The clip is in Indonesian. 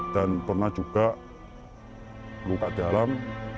dan pernah juga luka dalam